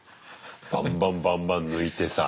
バンバンバンバン抜いてさ。